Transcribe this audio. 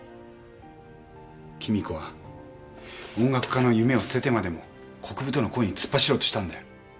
貴美子は音楽家の夢を捨ててまでも国府との恋に突っ走ろうとしたんだよ。